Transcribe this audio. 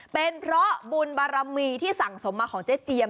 เป็นเพราะบุญบารมีที่สั่งสมมาของเจ๊เจียม